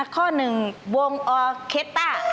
ข้อหนึ่งวงออเคตต้า